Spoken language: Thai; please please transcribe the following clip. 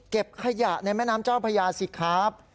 เก็บขยะในแม่น้ำเจ้าพระยาสิครับ